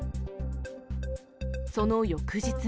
その翌日も。